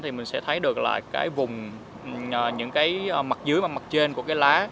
thì mình sẽ thấy được những mặt dưới mặt trên của lá